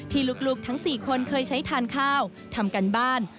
ลูกทั้ง๔คนเคยใช้ทานข้าวทำการบ้าน